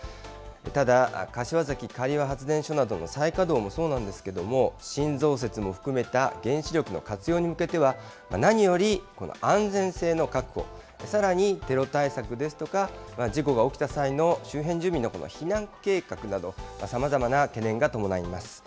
ただ、柏崎刈羽発電所などの再稼働もそうなんですけれども、新増設も含めた原子力の活用に向けては、何より安全性の確保、さらにテロ対策ですとか、事故が起きた際の周辺住民の方の避難計画など、さまざまな懸念が伴います。